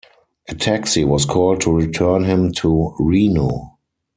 A taxi was called to return him to Reno.